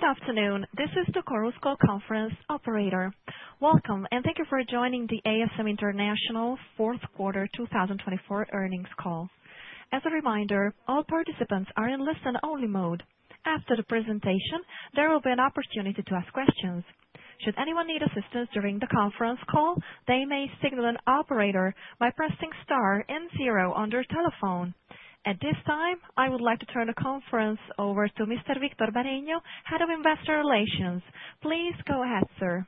Good afternoon. This is the Chorus Call Conference Operator. Welcome, and thank you for joining the ASM International's Fourth Quarter 2024 earnings call. As a reminder, all participants are in listen-only mode. After the presentation, there will be an opportunity to ask questions. Should anyone need assistance during the conference call, they may signal an operator by pressing star and zero on their telephone. At this time, I would like to turn the conference over to Mr. Victor Bareño, Head of Investor Relations. Please go ahead, sir.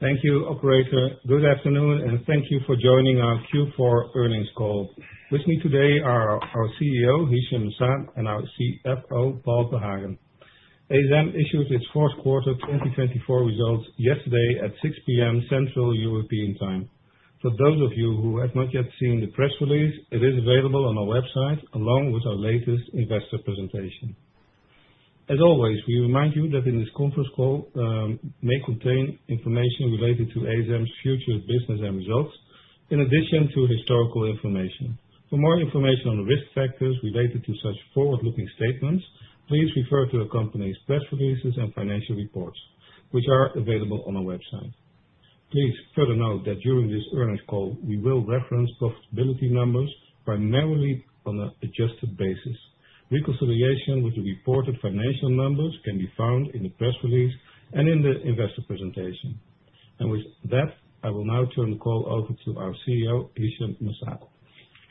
Thank you, Operator. Good afternoon, and thank you for joining our Q4 earnings call. With me today are our CEO, Hichem M'Saad, and our CFO, Paul Verhagen. ASM issued its Fourth Quarter 2024 results yesterday at 6:00 P.M. Central European Time. For those of you who have not yet seen the press release, it is available on our website, along with our latest investor presentation. As always, we remind you that this conference call may contain information related to ASM's future business and results, in addition to historical information. For more information on the risk factors related to such forward-looking statements, please refer to our company's press releases and financial reports, which are available on our website. Please further note that during this earnings call, we will reference profitability numbers primarily on an adjusted basis. Reconciliation with the reported financial numbers can be found in the press release and in the investor presentation, and with that, I will now turn the call over to our CEO, Hichem M'Saad.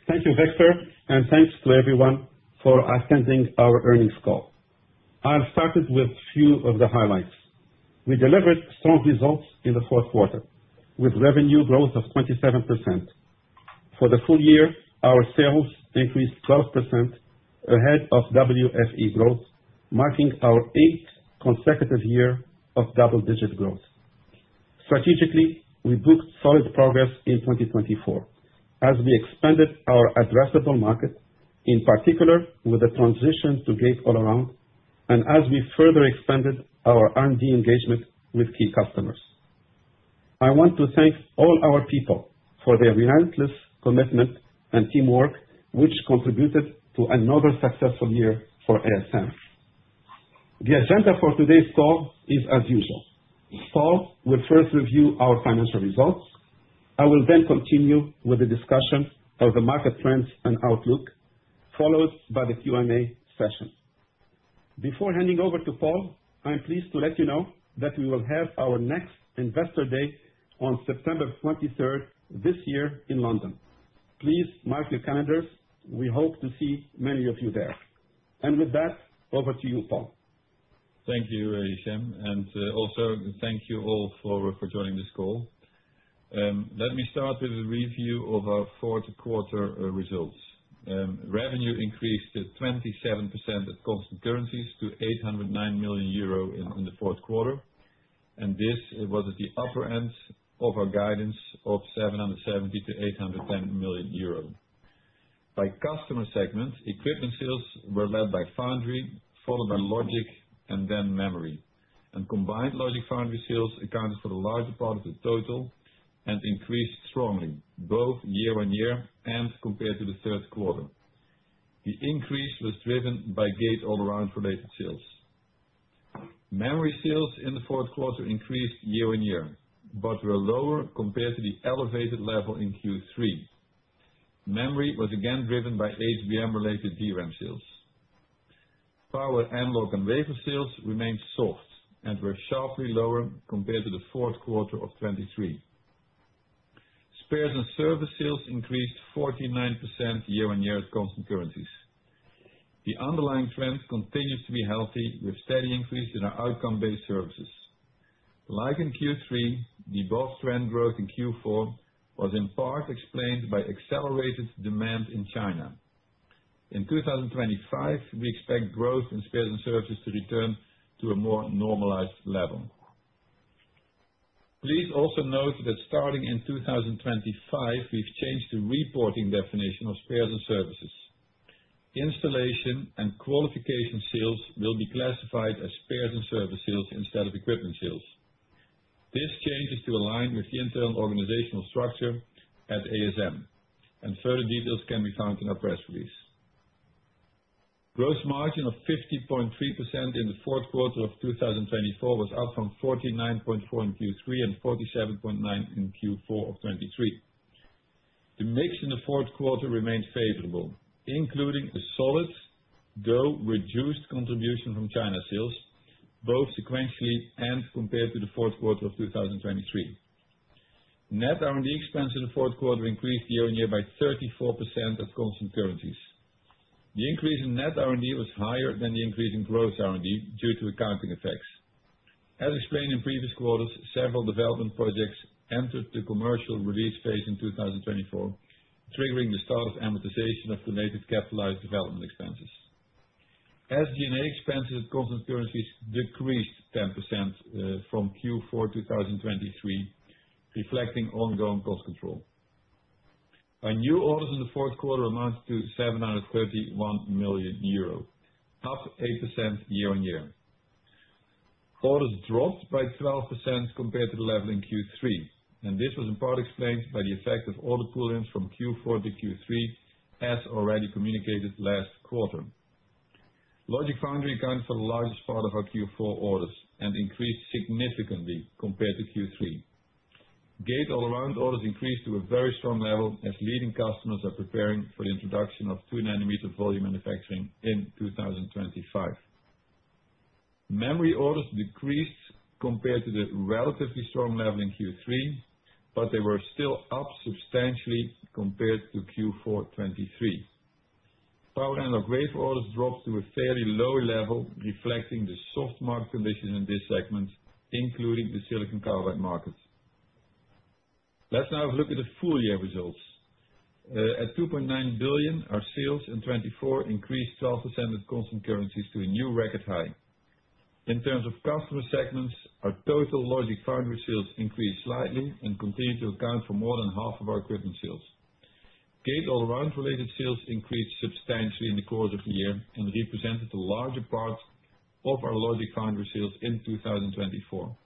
Thank you, Victor, and thanks to everyone for attending our earnings call. I'll start with a few of the highlights. We delivered strong results in the fourth quarter, with revenue growth of 27%. For the full year, our sales increased 12% ahead of WFE growth, marking our eighth consecutive year of double-digit growth. Strategically, we booked solid progress in 2024, as we expanded our addressable market, in particular with the transition to Gate-All-Around, and as we further expanded our R&D engagement with key customers. I want to thank all our people for their relentless commitment and teamwork, which contributed to another successful year for ASM. The agenda for today's call is as usual. Paul will first review our financial results. I will then continue with the discussion of the market trends and outlook, followed by the Q&A session. Before handing over to Paul, I'm pleased to let you know that we will have our next Investor Day on September 23rd this year in London. Please mark your calendars. We hope to see many of you there. With that, over to you, Paul. Thank you, Hichem. Also, thank you all for joining this call. Let me start with a review of our fourth quarter results. Revenue increased 27% at constant currencies to 809 million euro in the fourth quarter, and this was at the upper end of our guidance of 770-810 million euro. By customer segment, equipment sales were led by foundry, followed by logic, and then memory and combined logic-foundry sales accounted for the largest part of the total and increased strongly, both year-on-year and compared to the third quarter. The increase was driven by Gate-All-Around-related sales. Memory sales in the fourth quarter increased year-on-year, but were lower compared to the elevated level in Q3. Memory was again driven by HBM-related DRAM sales. Power analog and wafer sales remained soft and were sharply lower compared to the fourth quarter of 2023. Spares and service sales increased 49% year-on-year at constant currencies. The underlying trend continues to be healthy, with steady increase in our outcome-based services. Like in Q3, the above trend growth in Q4 was in part explained by accelerated demand in China. In 2025, we expect growth in spares and services to return to a more normalized level. Please also note that starting in 2025, we've changed the reporting definition of spares and services. Installation and qualification sales will be classified as spares and service sales instead of equipment sales. This change is to align with the internal organizational structure at ASM, and further details can be found in our press release. Gross margin of 50.3% in the fourth quarter of 2024 was up from 49.4% in Q3 and 47.9% in Q4 of 2023. The mix in the fourth quarter remained favorable, including a solid, though reduced contribution from China sales, both sequentially and compared to the fourth quarter of 2023. Net R&D expenses in the fourth quarter increased year-on-year by 34% at constant currencies. The increase in net R&D was higher than the increase in gross R&D due to accounting effects. As explained in previous quarters, several development projects entered the commercial release phase in 2024, triggering the start of amortization of related capitalized development expenses. SG&A expenses at constant currencies decreased 10% from Q4 2023, reflecting ongoing cost control. Our new orders in the fourth quarter amounted to 731 million euros, up 8% year-on-year. Orders dropped by 12% compared to the level in Q3, and this was in part explained by the effect of order poolings from Q4 to Q3, as already communicated last quarter. Logic-foundry accounted for the largest part of our Q4 orders and increased significantly compared to Q3. Gate-All-Around orders increased to a very strong level, as leading customers are preparing for the introduction of 2-nanometer volume manufacturing in 2025. Memory orders decreased compared to the relatively strong level in Q3, but they were still up substantially compared to Q4 2023. Power analog wafer orders dropped to a fairly low level, reflecting the soft market conditions in this segment, including the silicon carbide markets. Let's now have a look at the full-year results. At 2.9 billion, our sales in 2024 increased 12% at constant currencies to a new record high. In terms of customer segments, our total logic-foundry sales increased slightly and continued to account for more than half of our equipment sales. Gate-All-Around-related sales increased substantially in the course of the year and represented the larger part of our logic-foundry sales in 2024.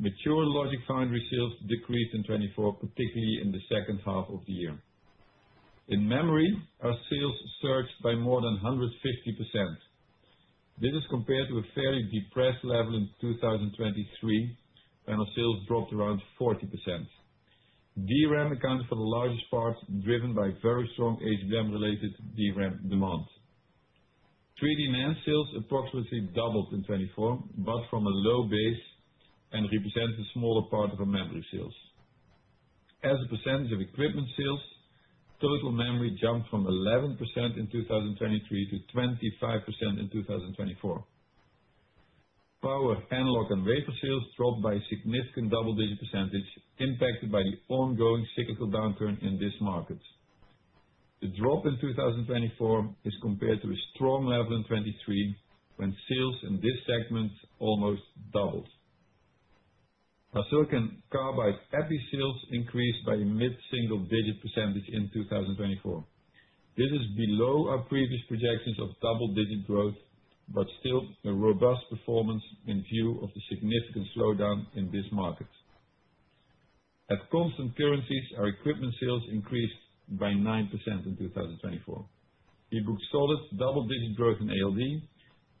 Mature logic-foundry sales decreased in 2024, particularly in the second half of the year. In memory, our sales surged by more than 150%. This is compared to a fairly depressed level in 2023, when our sales dropped around 40%. DRAM accounted for the largest part, driven by very strong HBM-related DRAM demand. 3D NAND sales approximately doubled in 2024, but from a low base and represented a smaller part of our memory sales. As a percentage of equipment sales, total memory jumped from 11% in 2023-25% in 2024. Power analog and wafer sales dropped by a significant double-digit percentage, impacted by the ongoing cyclical downturn in this market. The drop in 2024 is compared to a strong level in 2023, when sales in this segment almost doubled. Our silicon carbide Epi sales increased by a mid-single-digit percentage in 2024. This is below our previous projections of double-digit growth, but still a robust performance in view of the significant slowdown in this market. At constant currencies, our equipment sales increased by 9% in 2024. We booked solid double-digit growth in ALD,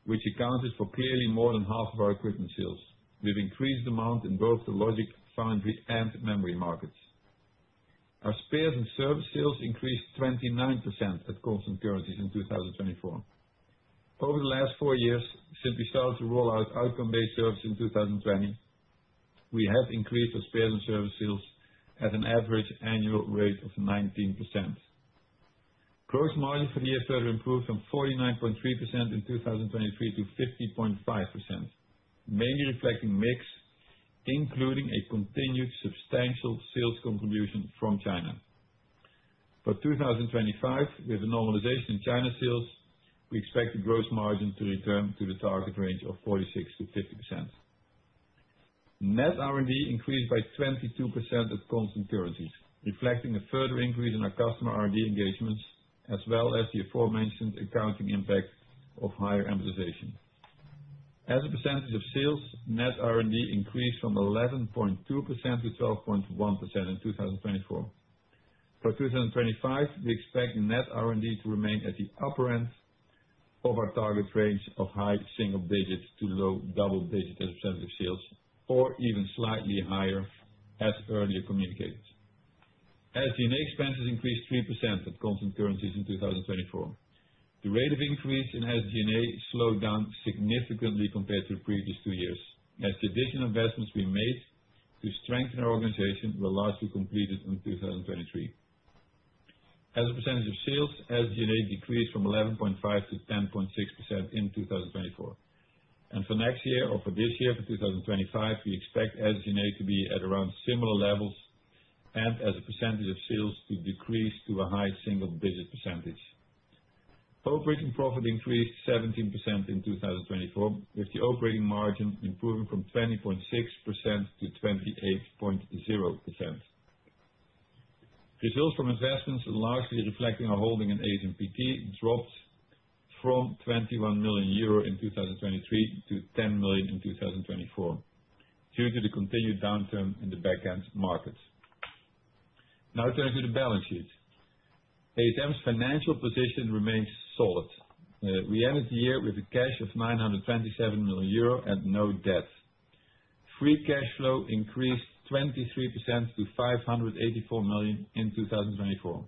which accounted for clearly more than half of our equipment sales. We've increased the amount in both the logic-foundry and memory markets. Our spares and service sales increased 29% at constant currencies in 2024. Over the last four years, since we started to roll out outcome-based services in 2020, we have increased our spares and service sales at an average annual rate of 19%. Gross margin for the year further improved from 49.3% in 2023 to 50.5%, mainly reflecting mix, including a continued substantial sales contribution from China. For 2025, with the normalization in China sales, we expect the gross margin to return to the target range of 46%-50%. Net R&D increased by 22% at constant currencies, reflecting a further increase in our customer R&D engagements, as well as the aforementioned accounting impact of higher amortization. As a percentage of sales, net R&D increased from 11.2%-12.1% in 2024. For 2025, we expect net R&D to remain at the upper end of our target range of high single-digit to low double-digit at representative sales, or even slightly higher, as earlier communicated. SG&A expenses increased 3% at constant currencies in 2024. The rate of increase in SG&A slowed down significantly compared to the previous two years, as the additional investments we made to strengthen our organization were largely completed in 2023. As a percentage of sales, SG&A decreased from 11.5%-10.6% in 2024, and for next year, or for this year, for 2025, we expect SG&A to be at around similar levels and as a percentage of sales to decrease to a high single-digit percentage. Operating profit increased 17% in 2024, with the operating margin improving from 20.6%-28.0%. Results from investments, largely reflecting our holding in ASMPT, dropped from 21 million euro in 2023 to 10 million in 2024, due to the continued downturn in the backend markets. Now, turning to the balance sheet, ASM's financial position remains solid. We ended the year with cash of 927 million euro and no debt. Free cash flow increased 23% to 584 million in 2024.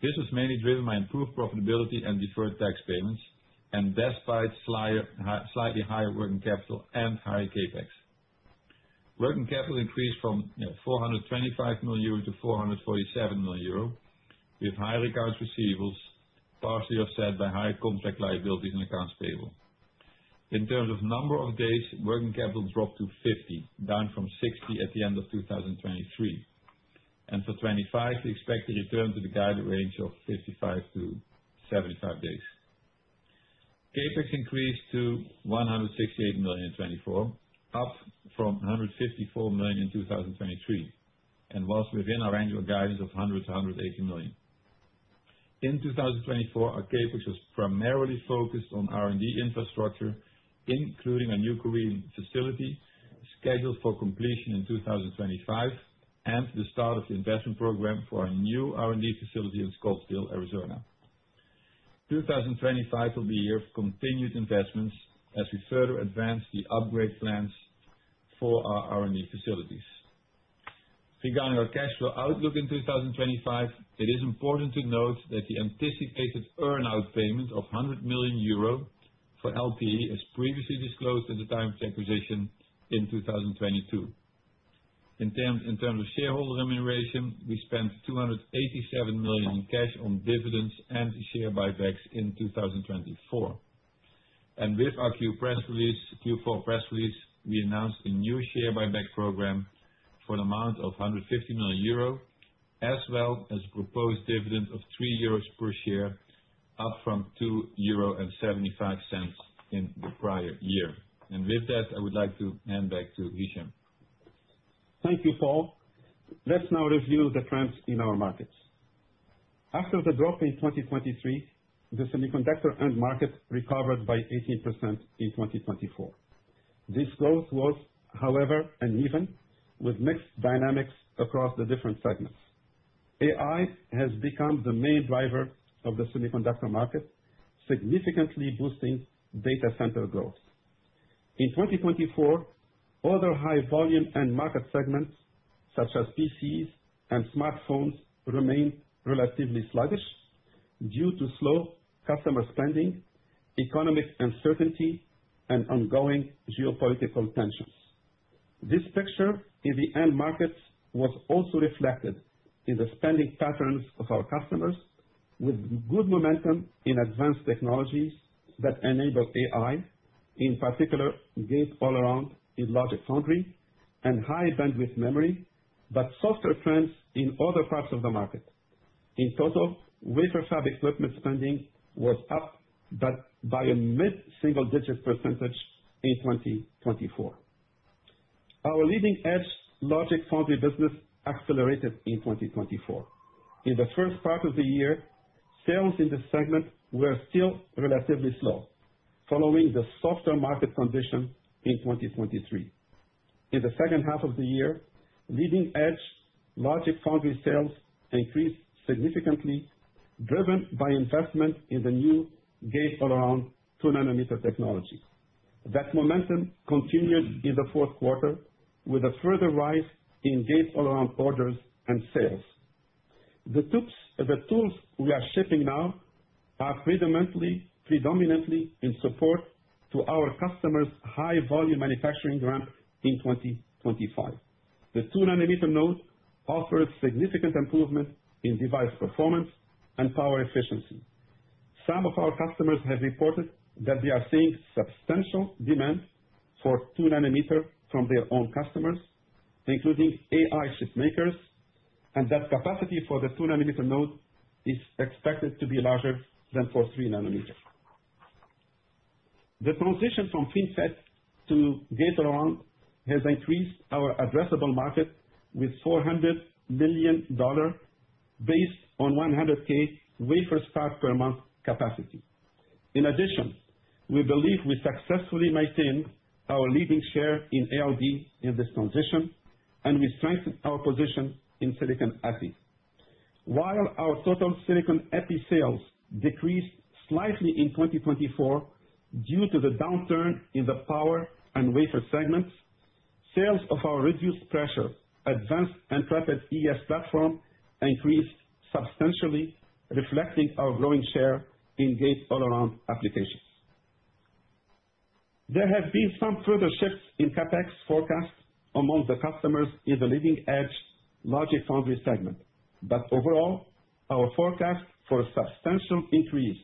This was mainly driven by improved profitability and deferred tax payments, and despite slightly higher working capital and higher CapEx. Working capital increased from 425 million-447 million euro, with higher accounts receivables, partially offset by higher contract liabilities and accounts payable. In terms of number of days, working capital dropped to 50, down from 60 at the end of 2023, and for 2025, we expect to return to the guided range of 55-75 days. CapEx increased to 168 million in 2024, up from 154 million in 2023, and was within our annual guidance of 100-180 million. In 2024, our CapEx was primarily focused on R&D infrastructure, including a new Korean facility scheduled for completion in 2025 and the start of the investment program for a new R&D facility in Scottsdale, Arizona. 2025 will be a year of continued investments, as we further advance the upgrade plans for our R&D facilities. Regarding our cash flow outlook in 2025, it is important to note that the anticipated earn-out payment of 100 million euro for LPE has previously disclosed at the time of the acquisition in 2022. In terms of shareholder remuneration, we spent 287 million in cash on dividends and share buybacks in 2024. With our Q4 press release, we announced a new share buyback program for an amount of 150 million euro, as well as a proposed dividend of 3 euros per share, up from 2.75 euro in the prior year. With that, I would like to hand back to Hichem. Thank you, Paul. Let's now review the trends in our markets. After the drop in 2023, the semiconductor end market recovered by 18% in 2024. This growth was, however, uneven, with mixed dynamics across the different segments. AI has become the main driver of the semiconductor market, significantly boosting data center growth. In 2024, other high-volume end market segments, such as PCs and smartphones, remained relatively sluggish due to slow customer spending, economic uncertainty, and ongoing geopolitical tensions. This picture in the end markets was also reflected in the spending patterns of our customers, with good momentum in advanced technologies that enable AI, in particular, Gate-All-Around in logic foundry and High Bandwidth Memory, but softer trends in other parts of the market. In total, Wafer Fab Equipment spending was up by a mid-single-digit percentage in 2024. Our leading-edge logic foundry business accelerated in 2024. In the first part of the year, sales in the segment were still relatively slow, following the softer market condition in 2023. In the second half of the year, leading-edge logic foundry sales increased significantly, driven by investment in the new Gate-All-Around 2-nanometer technology. That momentum continued in the fourth quarter, with a further rise in Gate-All-Around orders and sales. The tools we are shipping now are predominantly in support to our customers' high-volume manufacturing ramp in 2025. The 2-nanometer node offers significant improvement in device performance and power efficiency. Some of our customers have reported that they are seeing substantial demand for 2-nanometer from their own customers, including AI chip makers, and that capacity for the 2-nanometer node is expected to be larger than for 3-nanometer. The transition from FinFET to Gate-All-Around has increased our addressable market with $400 million based on 100K wafer starts per month capacity. In addition, we believe we successfully maintained our leading share in ALD in this transition, and we strengthened our position in silicon Epi. While our total silicon Epi sales decreased slightly in 2024 due to the downturn in the power and wafer segments, sales of our reduced-pressure Intrepid ES platform increased substantially, reflecting our growing share in Gate-All-Around applications. There have been some further shifts in CapEx forecast among the customers in the leading-edge logic foundry segment, but overall, our forecast for a substantial increase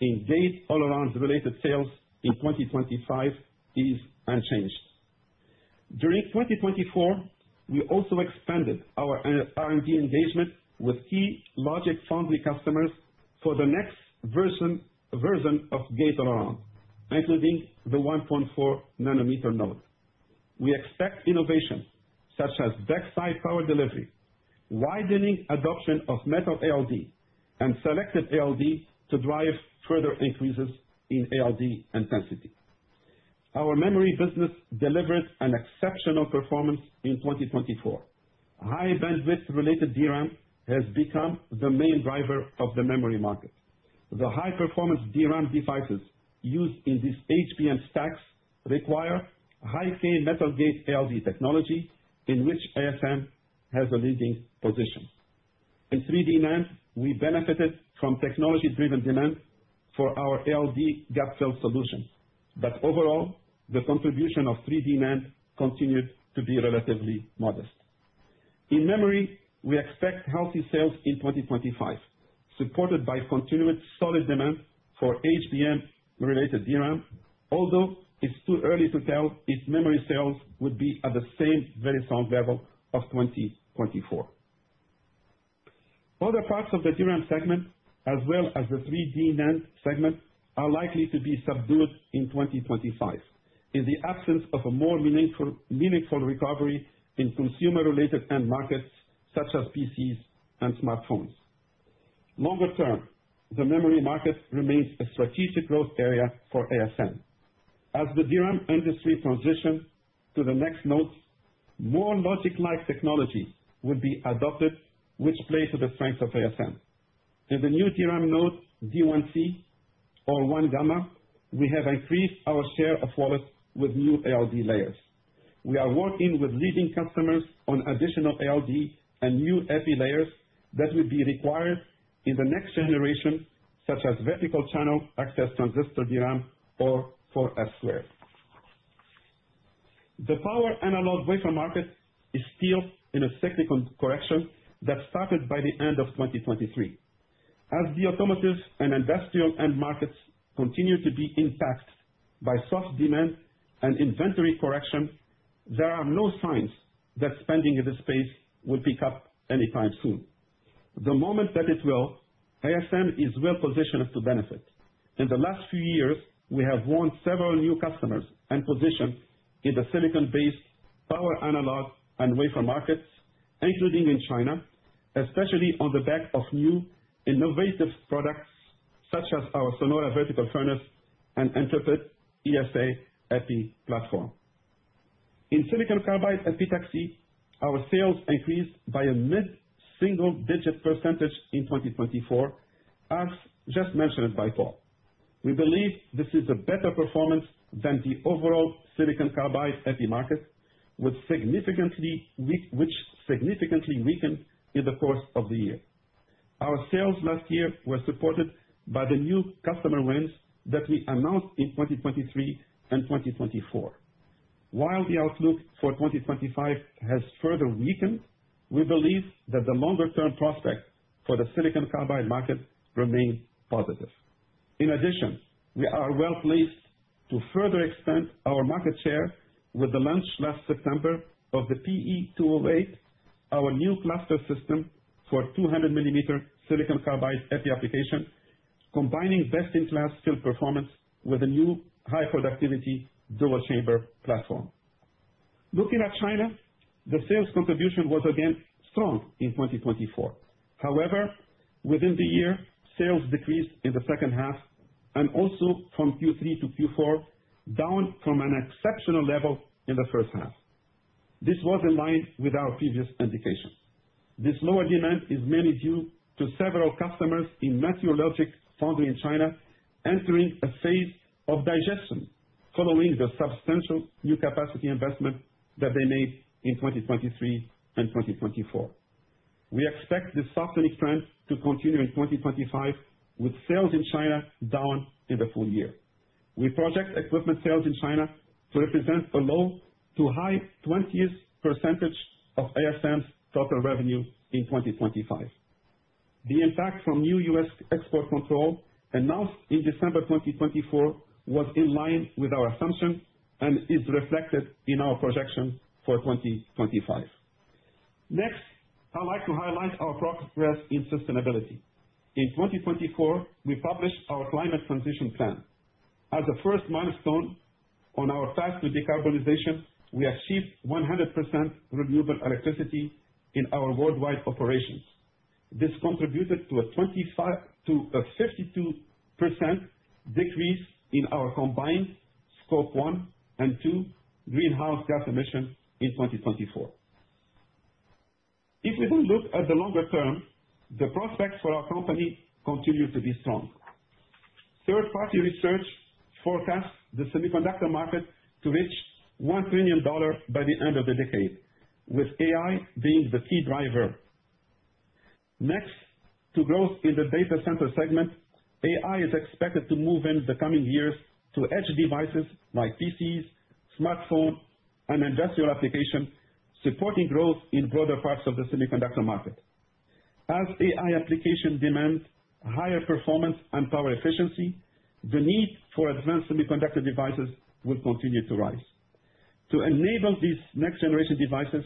in Gate-All-Around-related sales in 2025 is unchanged. During 2024, we also expanded our R&D engagement with key logic foundry customers for the next version of Gate-All-Around, including the 1.4-nanometer node. We expect innovation, such as backside power delivery, widening adoption of metal ALD, and selective ALD to drive further increases in ALD intensity. Our memory business delivered an exceptional performance in 2024. High bandwidth-related DRAM has become the main driver of the memory market. The high-performance DRAM devices used in these HBM stacks require high-K metal gate ALD technology, in which ASM has a leading position. In 3D NAND, we benefited from technology-driven demand for our ALD gap-fill solution, but overall, the contribution of 3D NAND continued to be relatively modest. In memory, we expect healthy sales in 2025, supported by continued solid demand for HBM-related DRAM, although it's too early to tell if memory sales would be at the same very strong level of 2024. Other parts of the DRAM segment, as well as the 3D NAND segment, are likely to be subdued in 2025, in the absence of a more meaningful recovery in consumer-related end markets, such as PCs and smartphones. Longer term, the memory market remains a strategic growth area for ASM. As the DRAM industry transitions to the next nodes, more logic-like technologies will be adopted, which plays to the strengths of ASM. In the new DRAM node, D1c or 1-gamma, we have increased our share of wallet with new ALD layers. We are working with leading customers on additional ALD and new Epi layers that will be required in the next generation, such as vertical channel access transistor DRAM or for SiC. The power analog wafer market is still in a cyclical correction that started by the end of 2023. As the automotive and industrial end markets continue to be impacted by soft demand and inventory correction, there are no signs that spending in this space will pick up anytime soon. The moment that it will, ASM is well-positioned to benefit. In the last few years, we have won several new customers and positions in the silicon-based power analog and wafer markets, including in China, especially on the back of new innovative products, such as our Sonora vertical furnace and Intrepid ES Epi platform. In silicon carbide epitaxy, our sales increased by a mid-single-digit percentage in 2024, as just mentioned by Paul. We believe this is a better performance than the overall silicon carbide epitaxy market, which significantly weakened in the course of the year. Our sales last year were supported by the new customer wins that we announced in 2023 and 2024. While the outlook for 2025 has further weakened, we believe that the longer-term prospect for the silicon carbide market remains positive. In addition, we are well-placed to further extend our market share with the launch last September of the PE208, our new cluster system for 200-millimeter silicon carbide Epi application, combining best-in-class field performance with a new high-productivity dual-chamber platform. Looking at China, the sales contribution was again strong in 2024. However, within the year, sales decreased in the second half, and also from Q3 to Q4, down from an exceptional level in the first half. This was in line with our previous indication. This lower demand is mainly due to several customers in logic foundry in China entering a phase of digestion, following the substantial new capacity investment that they made in 2023 and 2024. We expect this softening trend to continue in 2025, with sales in China down in the full year. We project equipment sales in China to represent low-to-high 20s percentage of ASM's total revenue in 2025. The impact from new U.S. export control announced in December 2024 was in line with our assumption and is reflected in our projection for 2025. Next, I'd like to highlight our progress in sustainability. In 2024, we published our climate transition plan. As a first milestone on our path to decarbonization, we achieved 100% renewable electricity in our worldwide operations. This contributed to a 52% decrease in our combined Scope 1 and 2 greenhouse gas emissions in 2024. If we then look at the longer term, the prospects for our company continue to be strong. Third-party research forecasts the semiconductor market to reach $1 trillion by the end of the decade, with AI being the key driver. Next to growth in the data center segment, AI is expected to move in the coming years to edge devices like PCs, smartphones, and industrial applications, supporting growth in broader parts of the semiconductor market. As AI applications demand higher performance and power efficiency, the need for advanced semiconductor devices will continue to rise. To enable these next-generation devices,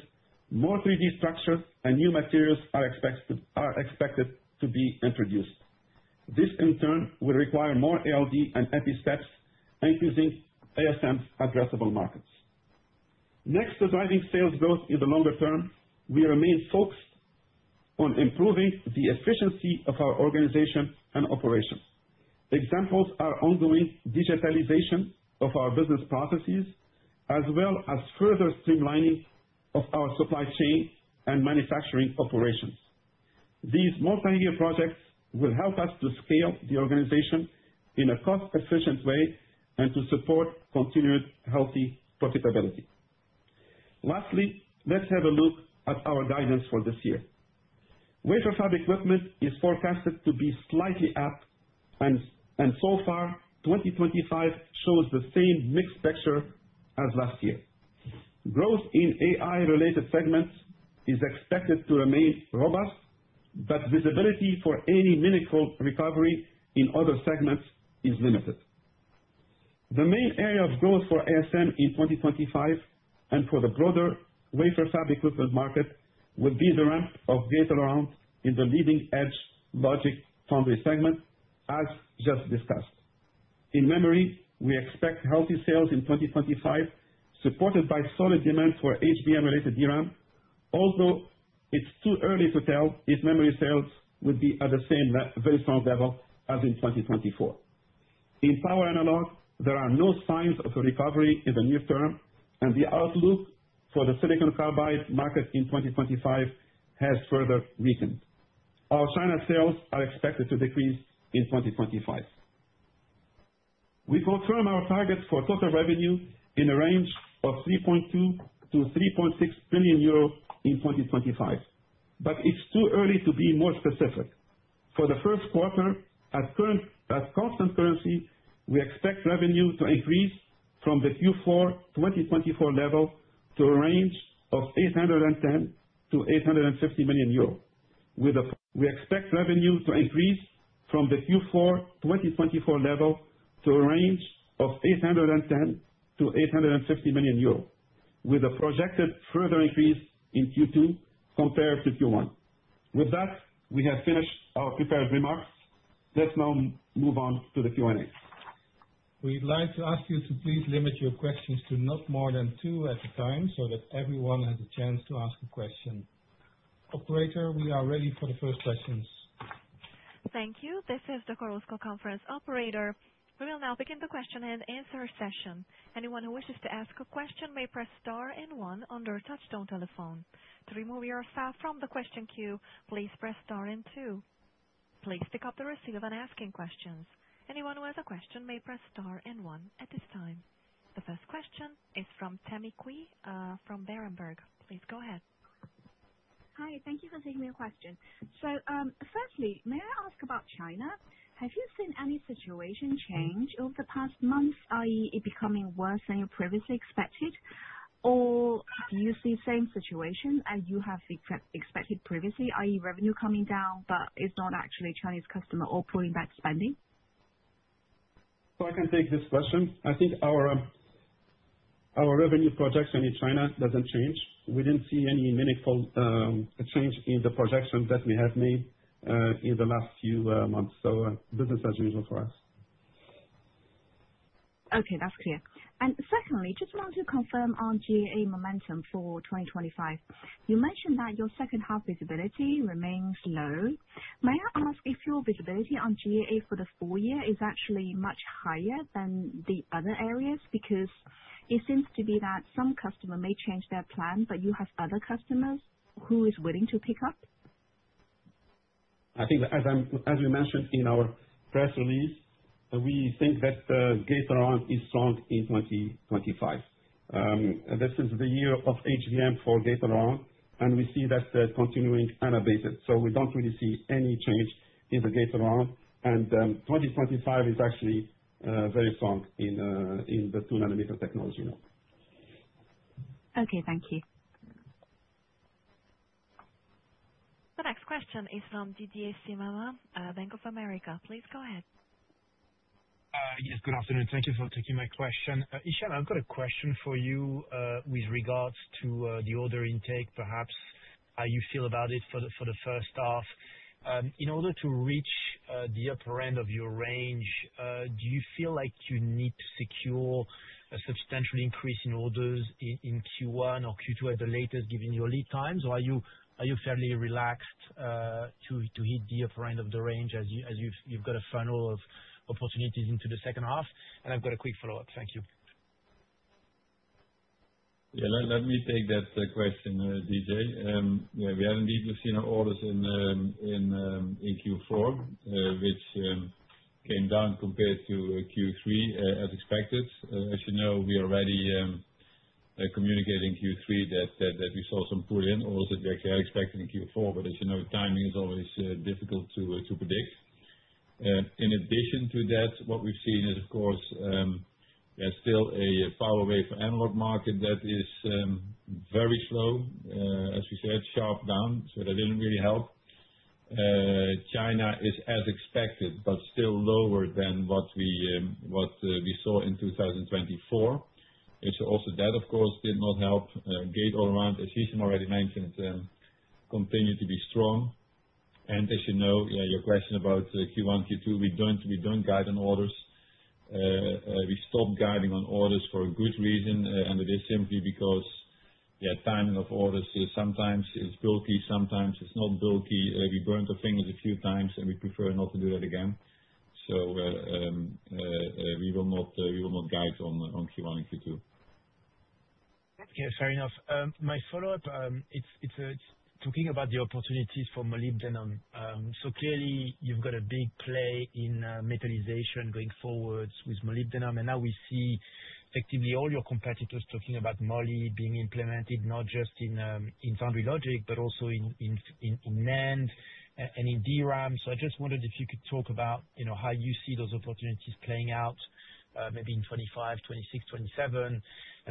more 3D structures and new materials are expected to be introduced. This, in turn, will require more ALD and Epi steps, increasing ASM's addressable markets. Next to driving sales growth in the longer term, we remain focused on improving the efficiency of our organization and operations. Examples are ongoing digitalization of our business processes, as well as further streamlining of our supply chain and manufacturing operations. These multi-year projects will help us to scale the organization in a cost-efficient way and to support continued healthy profitability. Lastly, let's have a look at our guidance for this year. Wafer fab equipment is forecasted to be slightly up, and so far, 2025 shows the same mixed picture as last year. Growth in AI-related segments is expected to remain robust, but visibility for any meaningful recovery in other segments is limited. The main area of growth for ASM in 2025 and for the broader wafer fab equipment market will be the ramp of Gate-All-Around in the leading-edge logic foundry segment, as just discussed. In memory, we expect healthy sales in 2025, supported by solid demand for HBM-related DRAM, although it's too early to tell if memory sales will be at the same very strong level as in 2024. In power analog, there are no signs of a recovery in the near term, and the outlook for the silicon carbide market in 2025 has further weakened. Our China sales are expected to decrease in 2025. We confirm our targets for total revenue in a range of 3.2-3.6 billion euro in 2025, but it's too early to be more specific. For the first quarter, at constant currency, we expect revenue to increase from the Q4 2024 level to a range of 810-850 million euro, with a projected further increase in Q2 compared to Q1. With that, we have finished our prepared remarks. Let's now move on to the Q&A. We'd like to ask you to please limit your questions to not more than two at a time so that everyone has a chance to ask a question. Operator, we are ready for the first questions. Thank you. This is the Chorus Call Conference Operator. We will now begin the question and answer session. Anyone who wishes to ask a question may press star and one on their touch-tone telephone. To remove yourself from the question queue, please press star and two. Please pick up the receiver and ask questions. Anyone who has a question may press star and one at this time. The first question is from Tammy Qiu from Berenberg. Please go ahead. Hi. Thank you for taking my question. So firstly, may I ask about China? Have you seen any situation change over the past month, i.e., becoming worse than you previously expected or do you see the same situation as you have expected previously, i.e., revenue coming down, but it's not actually a Chinese customer or pulling back spending? So I can take this question. I think our revenue projection in China doesn't change. We didn't see any meaningful change in the projection that we have made in the last few months. So business as usual for us. Okay. That's clear. Secondly, just want to confirm on GAA momentum for 2025. You mentioned that your second-half visibility remains low. May I ask if your visibility on GAA for the full year is actually much higher than the other areas because it seems to be that some customers may change their plan, but you have other customers who are willing to pick up? I think, as we mentioned in our press release, we think that Gate-All-Around is strong in 2025. This is the year of HBM for Gate-All-Around, and we see that continuing unabated. So we don't really see any change in the Gate-All-Around, and 2025 is actually very strong in the 2-nanometer technology now. Okay. Thank you. The next question is from Didier Scemama, Bank of America. Please go ahead. Yes. Good afternoon. Thank you for taking my question. Hichem, I've got a question for you with regards to the order intake, perhaps how you feel about it for the first half. In order to reach the upper end of your range, do you feel like you need to secure a substantial increase in orders in Q1 or Q2 at the latest, given your lead times or are you fairly relaxed to hit the upper end of the range as you've got a funnel of opportunities into the second half? I've got a quick follow-up. Thank you. Yeah. Let me take that question, Didier. Yeah. We haven't even seen orders in Q4, which came down compared to Q3, as expected. As you know, we already communicated in Q3 that we saw some pull-in orders that we actually expected in Q4. But as you know, timing is always difficult to predict. In addition to that, what we've seen is, of course, there's still a power/wafer for the analog market that is very slow, as we said, sharply down. So that didn't really help. China is, as expected, but still lower than what we saw in 2024. So also that, of course, did not help. Gate-All-Around, as Hichem already mentioned, continued to be strong. As you know, your question about Q1, Q2, we don't guide on orders. We stopped guiding on orders for a good reason, and it is simply because timing of orders sometimes is bulky, sometimes it's not bulky. We burned our fingers a few times, and we prefer not to do that again. So we will not guide on Q1 and Q2. Okay. Fair enough. My follow-up, it's talking about the opportunities for molybdenum. So clearly, you've got a big play in metallization going forwards with molybdenum. Now we see effectively all your competitors talking about molybdenum being implemented, not just in foundry logic, but also in NAND and in DRAM. So I just wondered if you could talk about how you see those opportunities playing out maybe in 2025, 2026, 2027.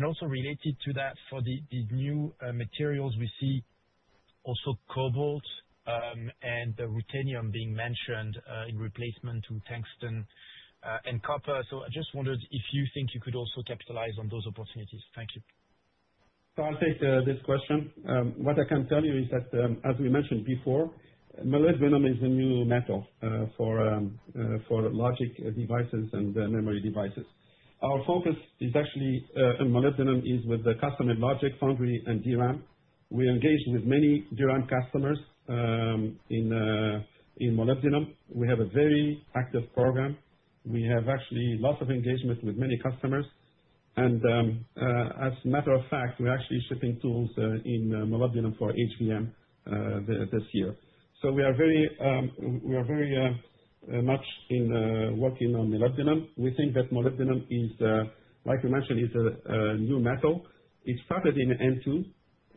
Also related to that, for these new materials, we see also cobalt and ruthenium being mentioned in replacement to tungsten and copper. So I just wondered if you think you could also capitalize on those opportunities. Thank you. So I'll take this question. What I can tell you is that, as we mentioned before, molybdenum is the new metal for logic devices and memory devices. Our focus is actually molybdenum is with the customer logic foundry and DRAM. We engage with many DRAM customers in molybdenum. We have a very active program. We have actually lots of engagement with many customers. As a matter of fact, we're actually shipping tools in molybdenum for HBM this year. So we are very much working on molybdenum. We think that molybdenum, like we mentioned, is a new metal. It started in N2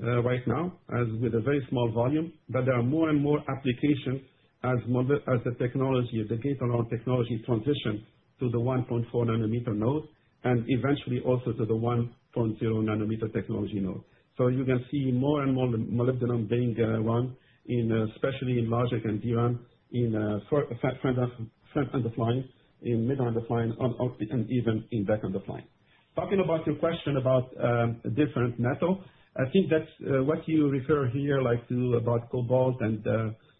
right now with a very small volume, but there are more and more applications as the technology, the Gate-All-Around technology, transitions to the 1.4-nanometer node and eventually also to the 1.0-nanometer technology node. So you can see more and more molybdenum being run especially in logic and DRAM in front-end of line, in mid-end of line, and even in back-end of line. Talking about your question about different metal, I think that's what you refer here to about cobalt and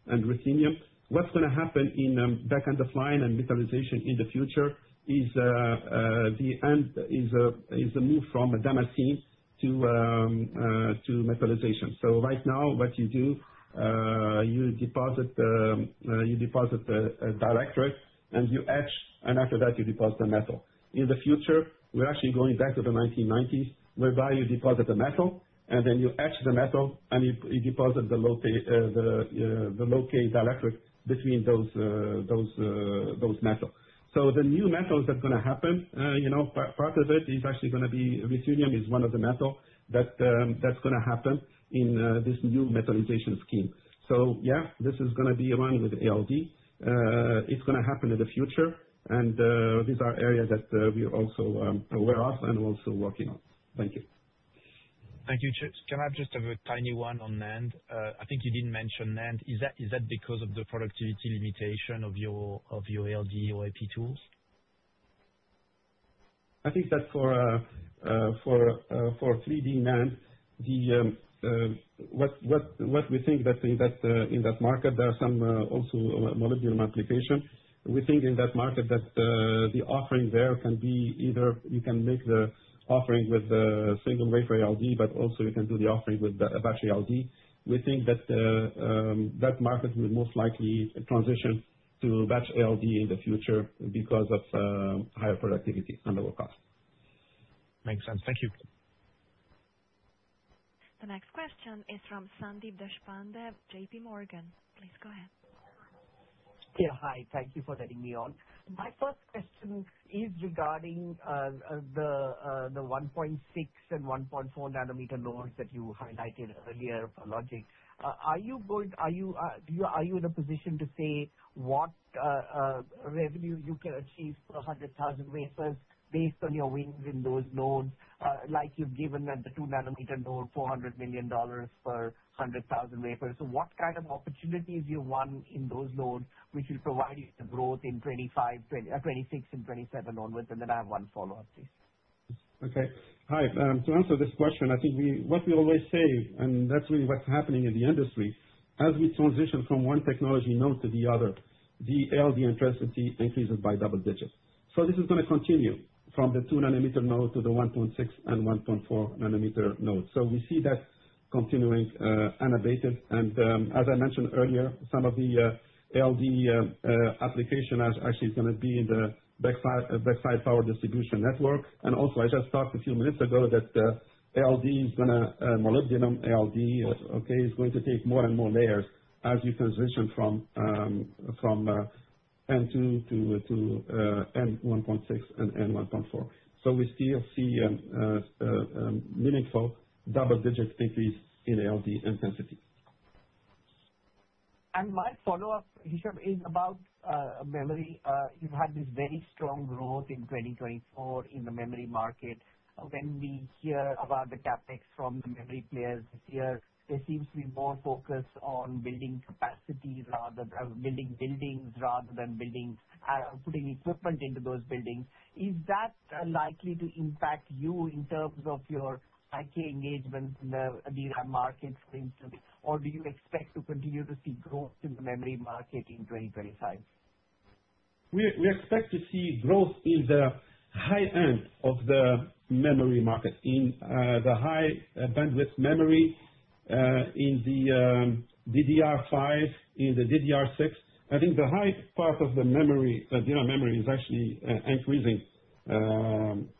ruthenium. What's going to happen in back-end of line and metallization in the future is the end is a move from damascene to metallization. So right now, what you do, you deposit a dielectric, and you etch, and after that, you deposit a metal. In the future, we're actually going back to the 1990s, whereby you deposit a metal, and then you etch the metal, and you deposit the low-k dielectric between those metals. So the new metals that are going to happen, part of it is actually going to be ruthenium is one of the metals that's going to happen in this new metallization scheme. So yeah, this is going to be run with ALD. It's going to happen in the future, and these are areas that we are also aware of and also working on. Thank you. Thank you. Can I have just a tiny one on NAND? I think you didn't mention NAND. Is that because of the productivity limitation of your ALD or Epi tools? I think that for 3D NAND, what we think that in that market, there are some also molybdenum applications. We think in that market that the offering there can be either you can make the offering with a single wafer ALD, but also you can do the offering with a batch ALD. We think that that market will most likely transition to batch ALD in the future because of higher productivity and lower cost. Makes sense. Thank you. The next question is from Sandeep Deshpande, J.P. Morgan. Please go ahead. Yeah. Hi. Thank you for letting me on. My first question is regarding the 1.6- and 1.4-nanometer nodes that you highlighted earlier for logic. Are you in a position to say what revenue you can achieve per 100,000 wafers based on your wins in those nodes? Like you've given that the 2-nanometer node, $400 million per 100,000 wafers. So what kind of opportunities you won in those nodes, which will provide you with growth in 2026 and 2027 onwards? Then I have one follow-up, please. Okay. Hi. To answer this question, I think what we always say, and that's really what's happening in the industry, as we transition from one technology node to the other, the ALD intensity increases by double digits. So this is going to continue from the 2-nanometer node to the 1.6- and 1.4-nanometer nodes. So we see that continuing unabated. And as I mentioned earlier, some of the ALD application actually is going to be in the backside power distribution network. Also, I just talked a few minutes ago that ALD is going to molybdenum ALD, okay, is going to take more and more layers as you transition from N2 to N1.6 and N1.4. So we still see meaningful double-digit increase in ALD intensity. My follow-up, Hichem, is about memory. You've had this very strong growth in 2024 in the memory market. When we hear about the CapEx from the memory players this year, there seems to be more focus on building capacity rather than building buildings rather than putting equipment into those buildings. Is that likely to impact you in terms of your HKMG engagement in the DRAM market, for instance or do you expect to continue to see growth in the memory market in 2025? We expect to see growth in the high end of the memory market, in the high-bandwidth memory, in the DDR5, in the DDR6. I think the high part of the DRAM memory is actually increasing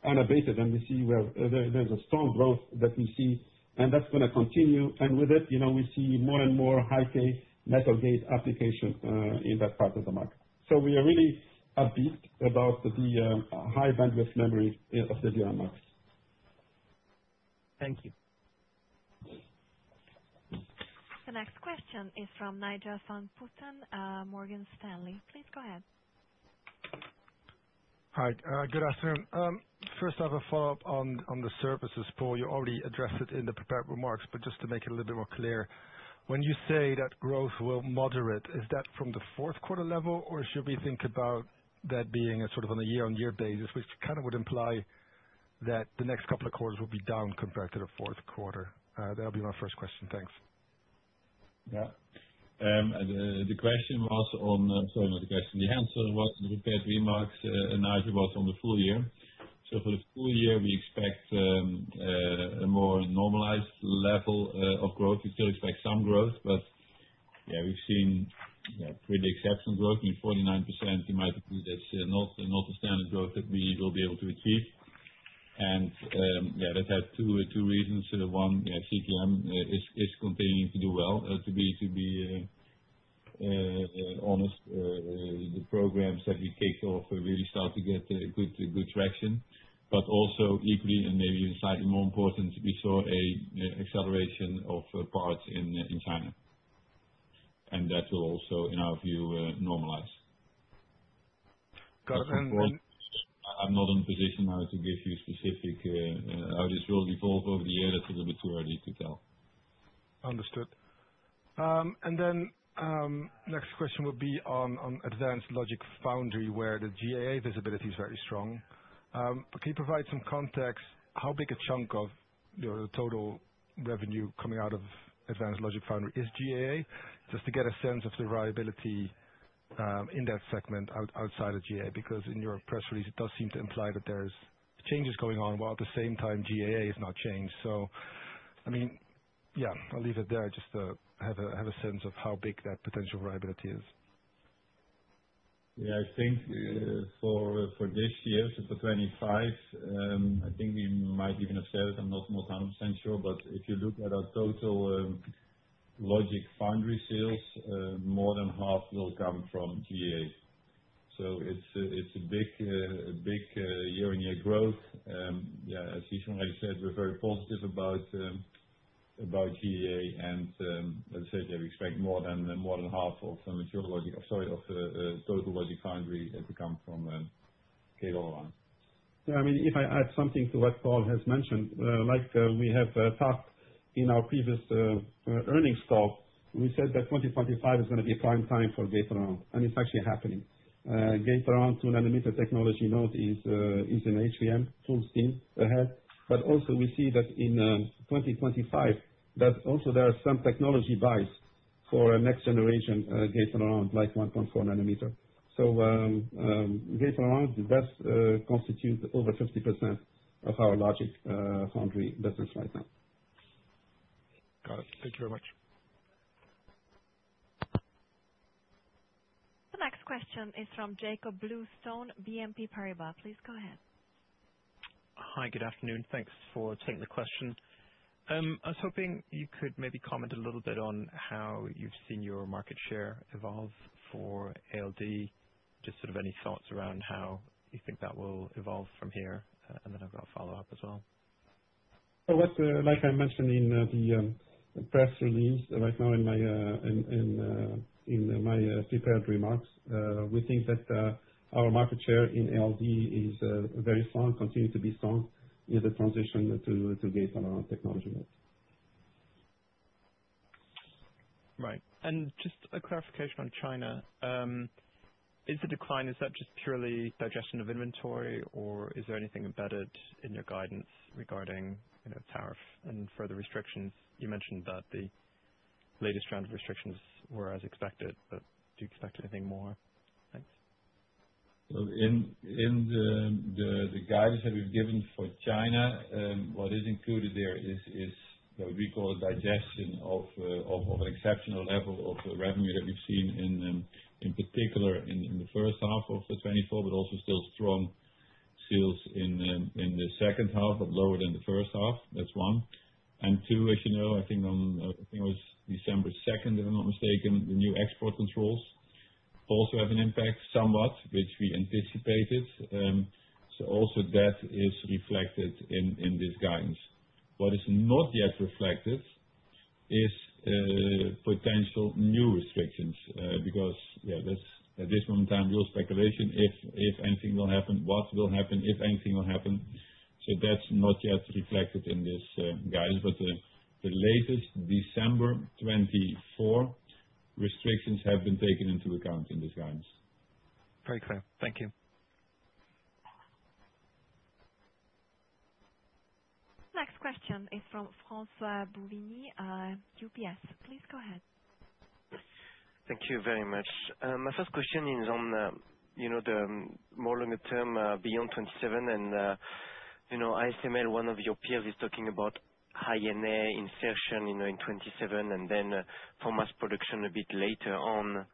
unabated, and we see there's a strong growth that we see, and that's going to continue. With it, we see more and more high-K metal gate application in that part of the market. So we are really upbeat about the high-bandwidth memory of the DRAM market. Thank you. The next question is from Nigel van Putten, Morgan Stanley. Please go ahead. Hi. Good afternoon. First, I have a follow-up on the services pool. You already addressed it in the prepared remarks, but just to make it a little bit more clear, when you say that growth will moderate, is that from the fourth quarter level, or should we think about that being sort of on a year-on-year basis, which kind of would imply that the next couple of quarters will be down compared to the fourth quarter? That'll be my first question. Thanks. Yeah. The question was on. The answer was in the prepared remarks, and Nigel was on the full year. So for the full year, we expect a more normalized level of growth. We still expect some growth, but yeah, we've seen pretty exceptional growth. I mean, 49%, you might agree that's not the standard growth that we will be able to achieve. Yeah, that had two reasons. One, CS&M is continuing to do well, to be honest. The programs that we kicked off really started to get good traction. But also, equally, and maybe even slightly more important, we saw an acceleration of parts in China and that will also, in our view, normalize. Got it. I'm not in a position now to give you specific how this will evolve over the year. That's a little bit too early to tell. Understood. Then the next question would be on Advanced Logic Foundry, where the GAA visibility is very strong. Can you provide some context how big a chunk of the total revenue coming out of Advanced Logic Foundry is GAA? Just to get a sense of the reliability in that segment outside of GAA because in your press release, it does seem to imply that there's changes going on, while at the same time, GAA has not changed. So I mean, yeah, I'll leave it there just to have a sense of how big that potential reliability is. Yeah. I think for this year, so for 2025, I think we might even have said it. I'm not 100% sure. But if you look at our total logic foundry sales, more than half will come from GAA. So it's a big year-on-year growth. Yeah. As Hichem already said, we're very positive about GAA. As I said, yeah, we expect more than half of the material logic sorry, of the total logic foundry to come from Gate-All-Around. Yeah. I mean, if I add something to what Paul has mentioned, like we have talked in our previous earnings call, we said that 2025 is going to be prime time for Gate-All-Around and it's actually happening. Gate-All-Around 2-nanometer technology node is in HBM tools team ahead. But also, we see that in 2025, that also there are some technology buys for next-generation Gate-All-Around, like 1.4-nanometer. So Gate-All-Around does constitute over 50% of our logic foundry business right now. Got it. Thank you very much. The next question is from Jakob Bluestone, BNP Paribas. Please go ahead. Hi. Good afternoon. Thanks for taking the question. I was hoping you could maybe comment a little bit on how you've seen your market share evolve for ALD, just sort of any thoughts around how you think that will evolve from here. Then I've got a follow-up as well. So like I mentioned in the press release right now in my prepared remarks, we think that our market share in ALD is very strong, continues to be strong in the transition to Gate-All-Around technology. Right. Just a clarification on China. Is the decline, is that just purely digestion of inventory, or is there anything embedded in your guidance regarding tariff and further restrictions? You mentioned that the latest round of restrictions were as expected, but do you expect anything more? Thanks. So in the guidance that we've given for China, what is included there is what we call digestion of an exceptional level of revenue that we've seen, in particular, in the first half of 2024, but also still strong sales in the second half, but lower than the first half. That's one. Two, as you know, I think on I think it was December 2nd, if I'm not mistaken, the new export controls also have an impact somewhat, which we anticipated. So also that is reflected in this guidance. What is not yet reflected is potential new restrictions because yeah, at this moment in time, real speculation if anything will happen, what will happen if anything will happen. So that's not yet reflected in this guidance, but the latest December 24 restrictions have been taken into account in this guidance. Very clear. Thank you. The next question is from François-Xavier Bouvignies, UBS. Please go ahead. Thank you very much. My first question is on the more longer term, beyond 27, and ASML, one of your peers, is talking about High-NA insertion in 27 and then for mass production a bit later on.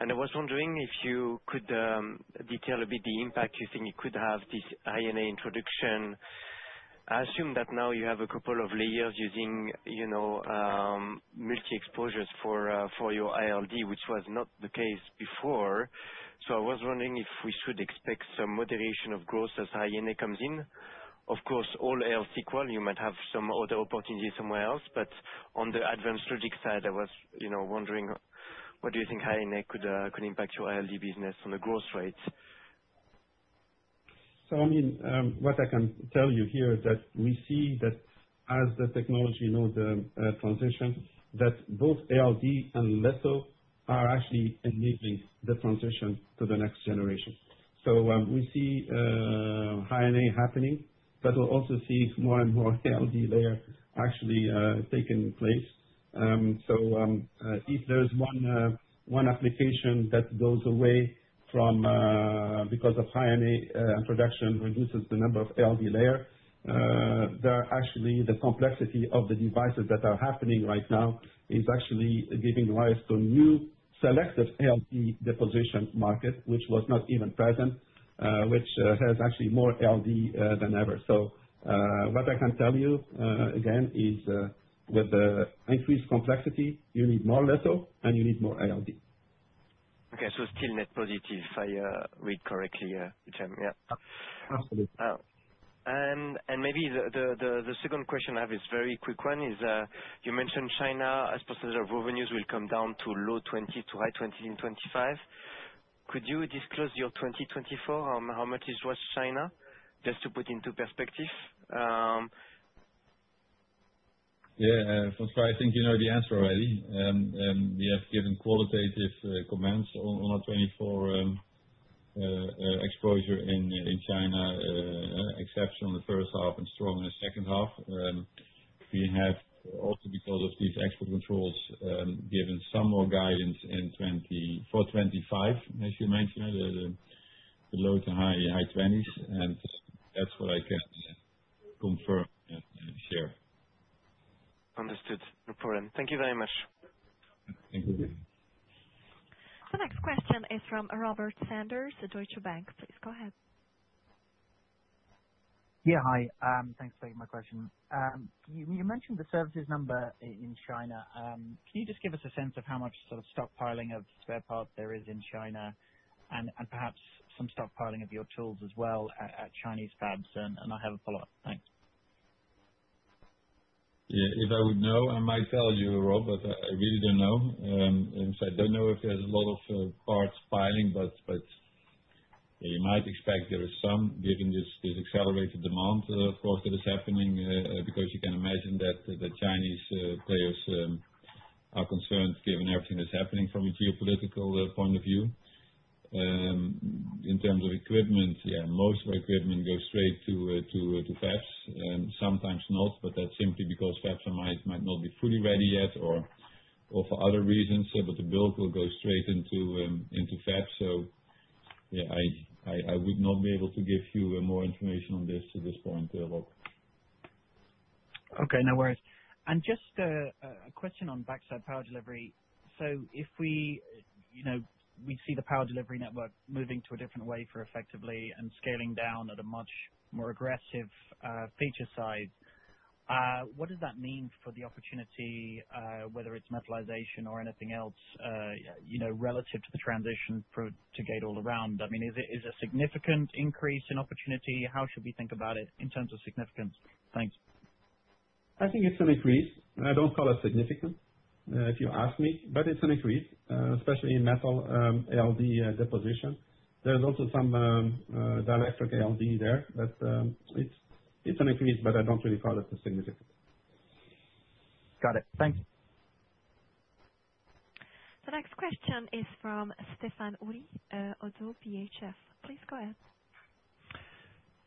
I was wondering if you could detail a bit the impact you think it could have, this High-NA introduction. I assume that now you have a couple of layers using multi-exposures for your ILD, which was not the case before. So I was wondering if we should expect some moderation of growth as High-NA comes in. Of course, all else equal, you might have some other opportunity somewhere else. But on the advanced logic side, I was wondering, what do you think High-NA could impact your ILD business on the growth rate? So I mean, what I can tell you here is that we see that as the technology node transitions, that both ALD and Epi are actually enabling the transition to the next generation. So we see High-NA happening, but we'll also see more and more ALD layer actually taking place. So if there's one application that goes away because of High-NA introduction reduces the number of ALD layer, there are actually the complexity of the devices that are happening right now is actually giving rise to a new selective ALD deposition market, which was not even present, which has actually more ALD than ever. So what I can tell you, again, is with the increased complexity, you need more Epi, and you need more ALD. Okay. So still net positive, if I read correctly, Hichem. Yeah. Absolutely. Maybe the second question I have is a very quick one. You mentioned China's percentage of revenues will come down to low 20%-high 20% in 2025. Could you disclose your 2024? How much is worth China? Just to put into perspective. Yeah. For sure. I think you know the answer already. We have given qualitative comments on our 2024 exposure in China, exceptional in the first half and strong in the second half. We have also, because of these export controls, given some more guidance for 2025, as you mentioned, the low to high 20s%, and that's what I can confirm and share. Understood. No problem. Thank you very much. Thank you. The next question is from Robert Sanders, Deutsche Bank. Please go ahead. Yeah. Hi. Thanks for taking my question. You mentioned the services number in China. Can you just give us a sense of how much sort of stockpiling of spare parts there is in China and perhaps some stockpiling of your tools as well at Chinese fabs? I have a follow-up. Thanks. Yeah. If I would know, I might tell you, Robert, but I really don't know. So I don't know if there's a lot of parts piling, but you might expect there is some, given this accelerated demand, of course, that is happening because you can imagine that the Chinese players are concerned, given everything that's happening from a geopolitical point of view. In terms of equipment, yeah, most of our equipment goes straight to fabs. Sometimes not, but that's simply because fabs might not be fully ready yet or for other reasons. But the build will go straight into fabs. So yeah, I would not be able to give you more information on this at this point, Robert. Okay. No worries. Just a question on backside power delivery. So if we see the power delivery network moving to a different way for effectively and scaling down at a much more aggressive feature size, what does that mean for the opportunity, whether it's metalization or anything else, relative to the transition to Gate-All-Around? I mean, is it a significant increase in opportunity? How should we think about it in terms of significance? Thanks. I think it's an increase. I don't call it significant if you ask me, but it's an increase, especially in metal ALD deposition. There's also some dielectric ALD there, but it's an increase, but I don't really call it a significant. Got it. Thanks. The next question is from Stephane Houri, ODDO BHF. Please go ahead.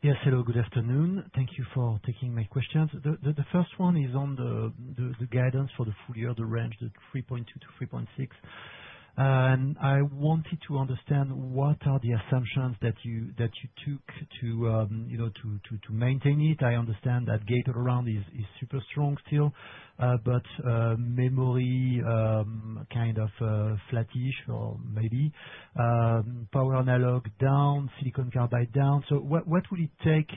Yes. Hello. Good afternoon. Thank you for taking my questions. The first one is on the guidance for the full year, the range, the 3.2-3.6. I wanted to understand what are the assumptions that you took to maintain it. I understand that Gate-All-Around is super strong still, but memory kind of flattish or maybe power analog down, silicon carbide down. So what would it take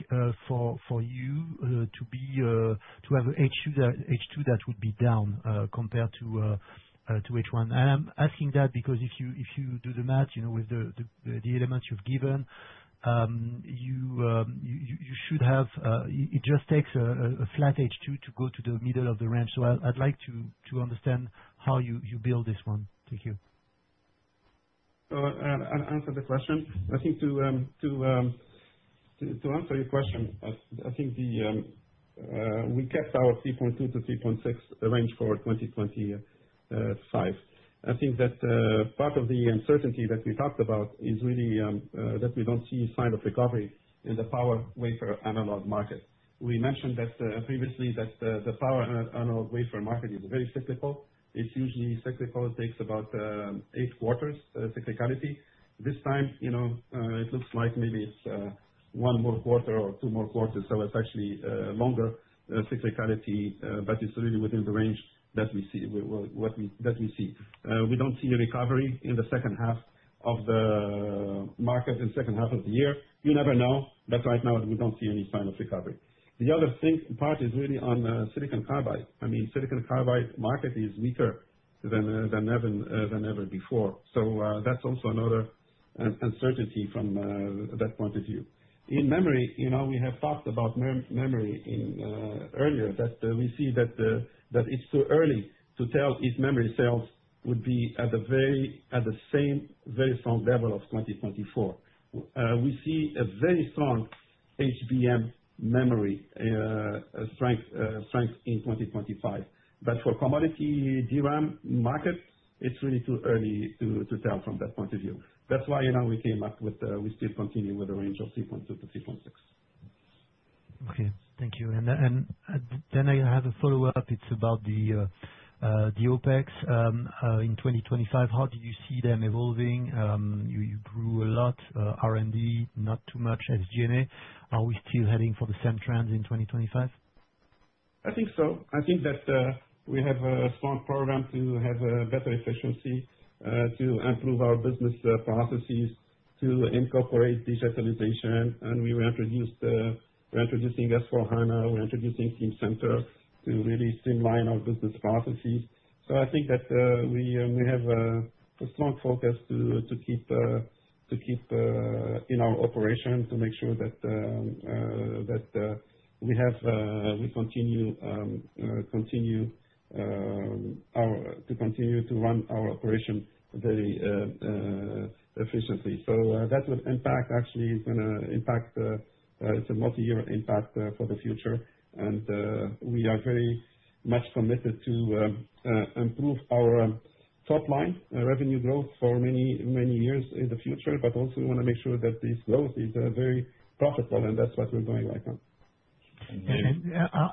for you to have an H2 that would be down compared to H1? I'm asking that because if you do the math with the elements you've given, you should have it just takes a flat H2 to go to the middle of the range. So I'd like to understand how you build this one. Thank you. So I'll answer the question. I think to answer your question, I think we kept our 3.2-3.6 range for 2025. I think that part of the uncertainty that we talked about is really that we don't see signs of recovery in the power wafer analog market. We mentioned that previously that the power analog wafer market is very cyclical. It's usually cyclical. It takes about eight quarters cyclicality. This time, it looks like maybe it's one more quarter or two more quarters. So it's actually a longer cyclicality, but it's really within the range that we see. We don't see a recovery in the second half of the market and second half of the year. You never know. But right now, we don't see any sign of recovery. The other part is really on silicon carbide. I mean, silicon carbide market is weaker than ever before. So that's also another uncertainty from that point of view. In memory, we have talked about memory earlier that we see that it's too early to tell if memory sales would be at the same very strong level of 2024. We see a very strong HBM memory strength in 2025. But for commodity DRAM market, it's really too early to tell from that point of view. That's why we came up with we still continue with a range of 3.2-3.6. Okay. Thank you. Then I have a follow-up. It's about the OpEx in 2025. How do you see them evolving? You grew a lot, R&D, not too much, SG&A. Are we still heading for the same trends in 2025? I think so. I think that we have a strong program to have better efficiency, to improve our business processes, to incorporate digitalization and we're introducing S/4HANA. We're introducing Teamcenter to really streamline our business processes. So I think that we have a strong focus to keep in our operation to make sure that we continue to run our operation very efficiently. So that impact actually is going to impact. It's a multi-year impact for the future, and we are very much committed to improve our top-line revenue growth for many years in the future. But also, we want to make sure that this growth is very profitable and that's what we're doing right now.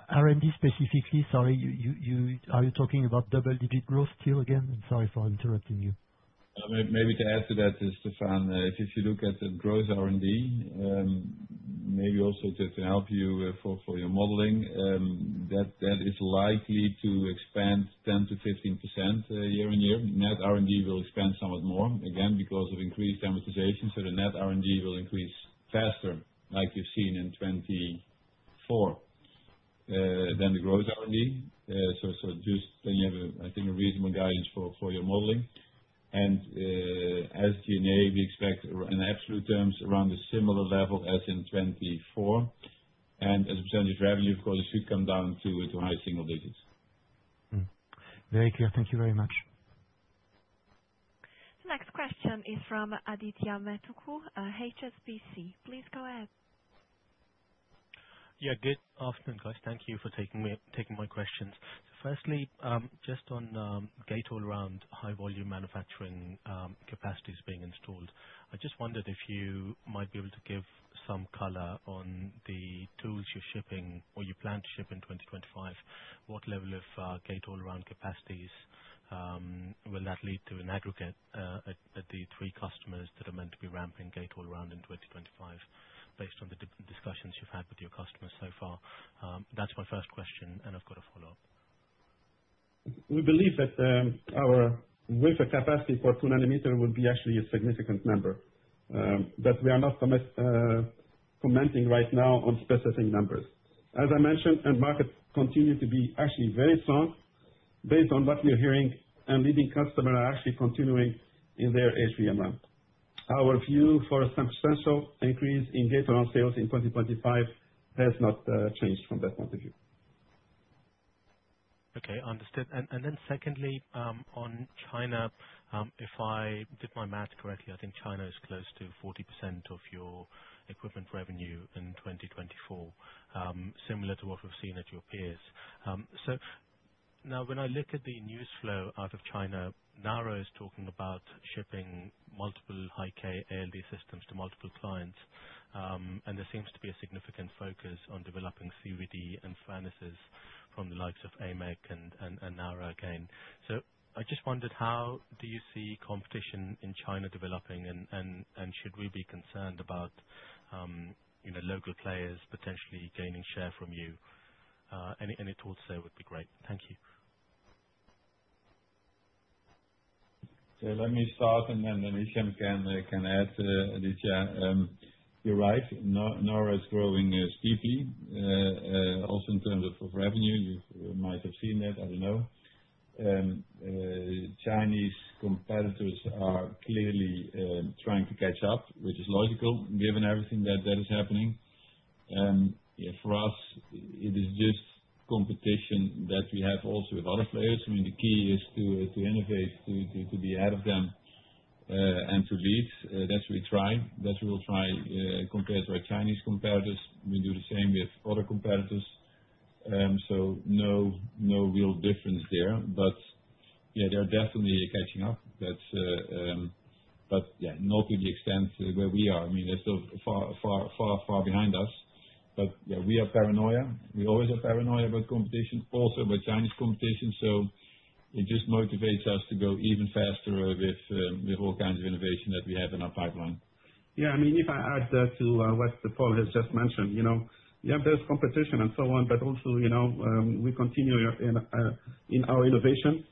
R&D specifically, sorry, are you talking about double-digit growth still again? Sorry for interrupting you. Maybe to add to that, Stéphane, if you look at the growth R&D, maybe also to help you for your modeling, that is likely to expand 10%-15% year-on-year. Net R&D will expand somewhat more, again, because of increased amortization. So the net R&D will increase faster, like you've seen in 2024, than the growth R&D. So just then you have, I think, a reasonable guidance for your modeling, and SG&A, we expect in absolute terms around a similar level as in 2024. As a percentage of revenue, of course, it should come down to high single digits. Very clear. Thank you very much. The next question is from Aditya Methuku, HSBC. Please go ahead. Yeah. Good afternoon, guys. Thank you for taking my questions. So firstly, just on Gate-All-Around high-volume manufacturing capacities being installed, I just wondered if you might be able to give some color on the tools you're shipping or you plan to ship in 2025. What level of Gate-All-Around capacities will that lead to in aggregate at the three customers that are meant to be ramping Gate-All-Around in 2025, based on the discussions you've had with your customers so far? That's my first question, and I've got a follow-up. We believe that our wafer capacity for 2-nanometer will be actually a significant number. But we are not commenting right now on specific numbers. As I mentioned, end markets continue to be actually very strong based on what we're hearing, and leading customers are actually continuing in their HBM. Our view for a substantial increase in Gate-All-Around sales in 2025 has not changed from that point of view. Okay. Understood. Then secondly, on China, if I did my math correctly, I think China is close to 40% of your equipment revenue in 2024, similar to what we've seen at your peers. So now, when I look at the news flow out of China, Naura is talking about shipping multiple high-k ALD systems to multiple clients and there seems to be a significant focus on developing CVD and furnaces from the likes of AMEC and Naura again. So I just wondered, how do you see competition in China developing, and should we be concerned about local players potentially gaining share from you? Any thoughts there would be great. Thank you. So let me start, and then Hichem can add to Aditya. You're right. Naura is growing steeply, also in terms of revenue. You might have seen that. I don't know. Chinese competitors are clearly trying to catch up, which is logical, given everything that is happening. For us, it is just competition that we have also with other players. I mean, the key is to innovate, to be ahead of them, and to lead. That's what we try. That's what we'll try compared to our Chinese competitors. We do the same with other competitors. So no real difference there. But yeah, they're definitely catching up. But yeah, not to the extent where we are. I mean, they're still far, far, far behind us. But yeah, we are paranoid. We always are paranoid about competition, also about Chinese competition. So it just motivates us to go even faster with all kinds of innovation that we have in our pipeline. Yeah. I mean, if I add that to what Paul has just mentioned, yeah, there's competition and so on, but also we continue in our innovation.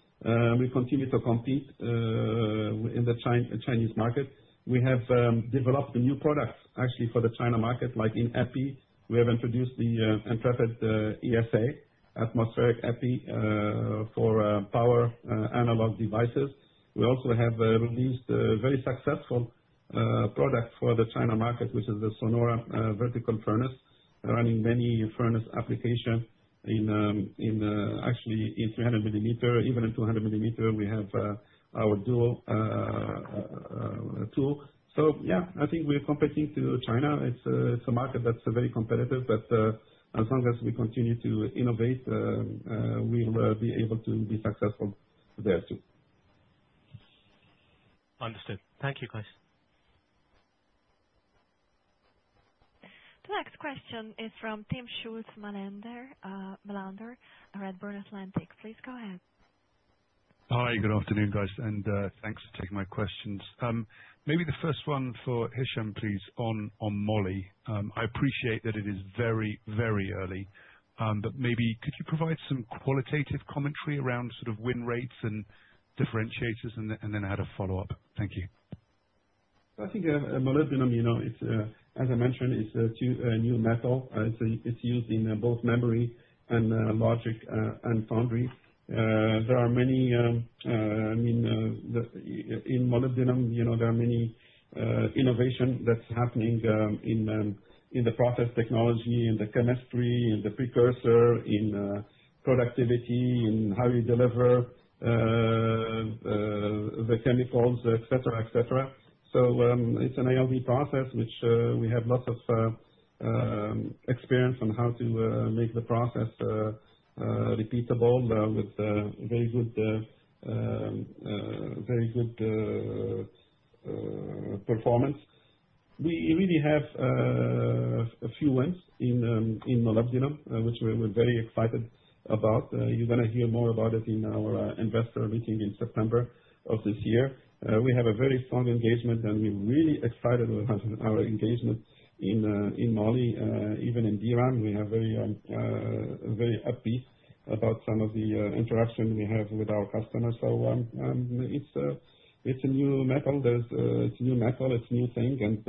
We continue to compete in the Chinese market. We have developed a new product, actually, for the China market, like in Epi. We have introduced the Intrepid ES, atmospheric Epi, for power analog devices. We also have released a very successful product for the China market, which is the Sonora vertical furnace, running many furnace applications in actually 300 millimeter, even in 200 millimeter. We have our dual tool. So yeah, I think we're competing in China. It's a market that's very competitive. But as long as we continue to innovate, we'll be able to be successful there too. Understood. Thank you, guys. The next question is from Timm Schulze-Melander, Redburn Atlantic. Please go ahead. Hi. Good afternoon, guys, and thanks for taking my questions. Maybe the first one for Hichem, please, on molybdenum. I appreciate that it is very, very early. But maybe could you provide some qualitative commentary around sort of win rates and differentiators, and then I had a follow-up. Thank you. I think molybdenum, as I mentioned, is a new metal. It's used in both memory and logic and foundry. There are many, I mean, in molybdenum, there are many innovations that's happening in the process technology, in the chemistry, in the precursor, in productivity, in how you deliver the chemicals, etc., etc. So it's an ALD process, which we have lots of experience on how to make the process repeatable with very good performance. We really have a few wins in molybdenum, which we're very excited about. You're going to hear more about it in our investor meeting in September of this year. We have a very strong engagement, and we're really excited about our engagement in molybdenum. Even in DRAM, we are very happy about some of the interaction we have with our customers. So it's a new metal. It's a new metal. It's a new thing.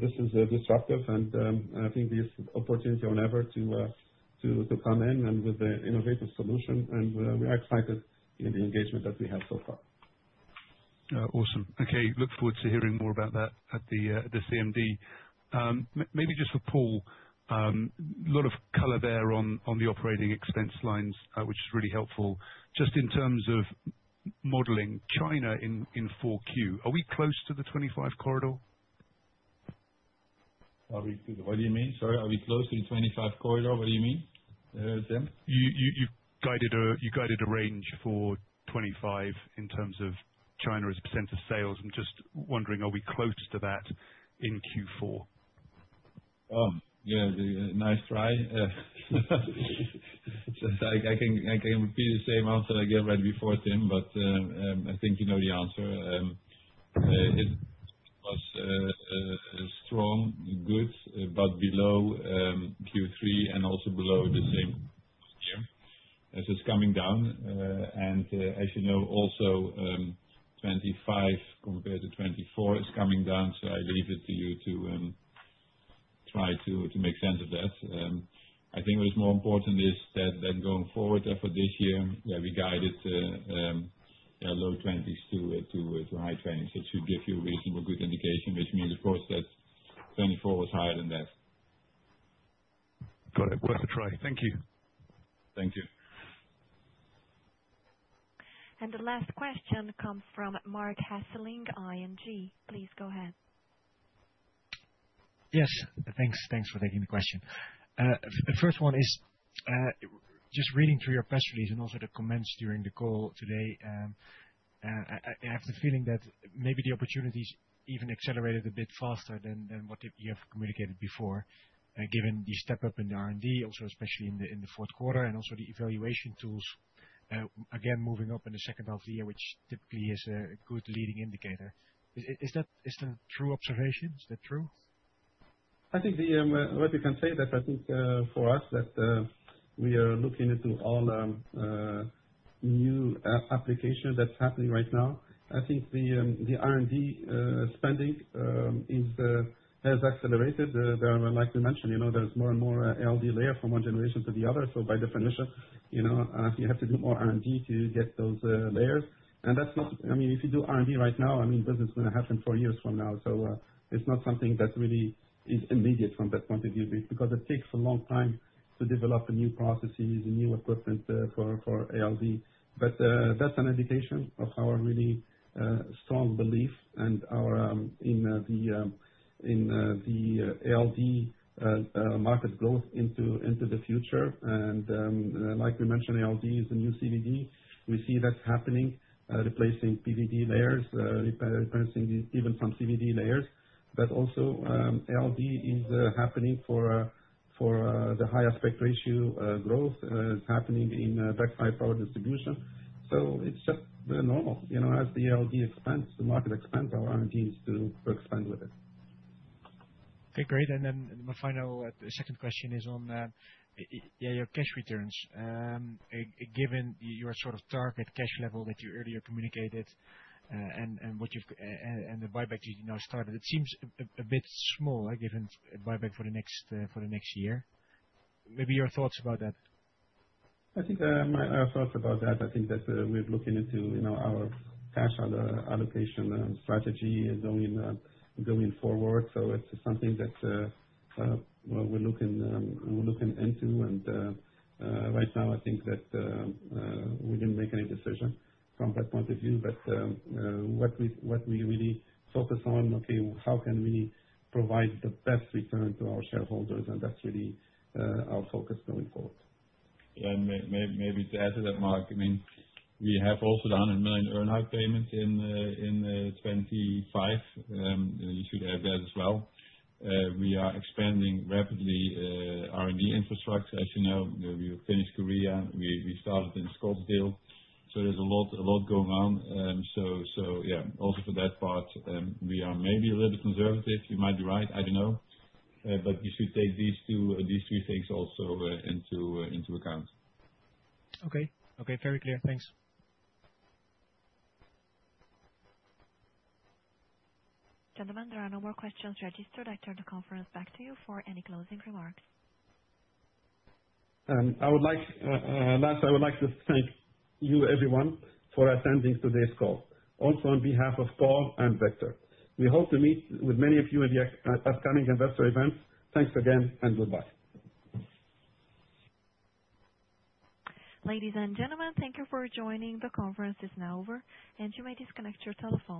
This is disruptive. I think this opportunity or never to come in and with the innovative solution. We are excited in the engagement that we have so far. Awesome. Okay. Look forward to hearing more about that at the CMD. Maybe just for Paul, a lot of color there on the operating expense lines, which is really helpful. Just in terms of modeling, China in 4Q, are we close to the 25% corridor? What do you mean? Sorry. Are we close to the 25% corridor? What do you mean, Timm? You guided a range for 25% in terms of China as a percentage of sales. I'm just wondering, are we close to that in Q4? Yeah. Nice try. I can repeat the same answer I gave right before, Timm, but I think you know the answer. It was strong, good, but below Q3 and also below the same year as it's coming down. As you know, also 25 compared to 24 is coming down. So I leave it to you to try to make sense of that. I think what is more important is that going forward for this year, yeah, we guided low 20s to high 20s. It should give you a reasonable good indication, which means, of course, that 24 was higher than that. Got it. Worth a try. Thank you. Thank you. The last question comes from Marc Hesselink, ING. Please go ahead. Yes. Thanks for taking the question. The first one is just reading through your press release and also the comments during the call today. I have the feeling that maybe the opportunities even accelerated a bit faster than what you have communicated before, given the step-up in the R&D, also especially in the fourth quarter, and also the evaluation tools, again, moving up in the second half of the year, which typically is a good leading indicator. Is that a true observation? Is that true? I think what you can say is that I think for us that we are looking into all new applications that's happening right now. I think the R&D spending has accelerated. Like we mentioned, there's more and more ALD layer from one generation to the other. So by definition, you have to do more R&D to get those layers. I mean, if you do R&D right now, I mean, this is going to happen four years from now. So it's not something that really is immediate from that point of view because it takes a long time to develop new processes and new equipment for ALD. But that's an indication of our really strong belief in the ALD market growth into the future. Like we mentioned, ALD is a new CVD. We see that happening, replacing PVD layers, replacing even some CVD layers. But also, ALD is happening for the high aspect ratio growth. It's happening in backside power distribution. So it's just normal. As the ALD expands, the market expands, our R&D needs to expand with it. Okay. Great. Then my final second question is on your cash returns. Given your sort of target cash level that you earlier communicated and the buyback that you now started, it seems a bit small, given buyback for the next year. Maybe your thoughts about that? I think my thoughts about that, I think that we're looking into our cash allocation strategy going forward. So it's something that we're looking into and right now, I think that we didn't make any decision from that point of view. But what we really focus on, okay, how can we provide the best return to our shareholders and that's really our focus going forward. Yeah, and maybe to add to that, Mark, I mean, we have also the 100 million earn-out payment in 2025. You should add that as well. We are expanding rapidly R&D infrastructure. As you know, we finished Korea. We started in Scottsdale. So there's a lot going on. So yeah, also for that part, we are maybe a little bit conservative. You might be right. I don't know. But you should take these three things also into account. Okay. Okay. Very clear. Thanks. Gentlemen, there are no more questions registered. I turn the conference back to you for any closing remarks. Last, I would like to thank you, everyone, for attending today's call. Also, on behalf of Paul and Victor, we hope to meet with many of you at the upcoming investor events. Thanks again, and goodbye. Ladies and gentlemen, thank you for joining. The conference is now over, and you may disconnect your telephone.